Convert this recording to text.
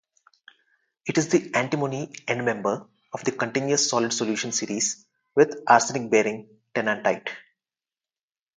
It is the antimony endmember of the continuous solid solution series with arsenic-bearing tennantite.